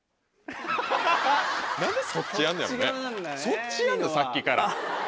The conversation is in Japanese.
そっちやるのさっきから。